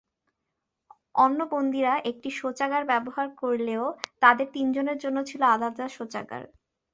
অন্য বন্দীরা একটি শৌচাগার ব্যবহার করলেও তাঁদের তিনজনের জন্য ছিল আলাদা শৌচাগার।